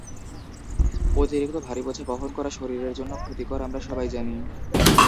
অতিরিক্ত ভারী বোঝা বহন করা শরীরের জন্য ক্ষতিকর, আমরা সবাই জানি।